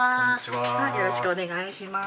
よろしくお願いします。